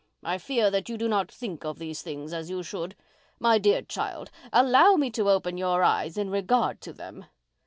I fear that you do not think of these things as you should. My dear child, allow me to open your eyes in regard to them."